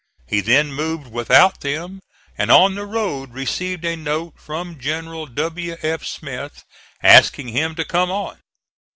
He then moved without them, and on the road received a note from General W. F. Smith, asking him to come on.